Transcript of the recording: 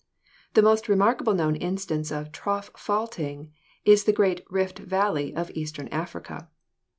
The most remarkable known instance of trough faulting is the great Rift Valley of eastern Africa.